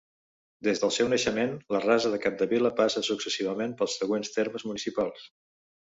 Des del seu naixement, la Rasa de Capdevila passa successivament pels següents termes municipals.